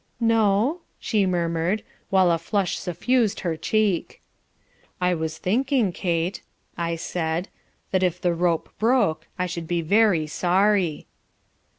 "'No,' she murmured, while a flush suffused her cheek. "'I was thinking, Kate,' I said, 'that if the rope broke I should be very sorry.'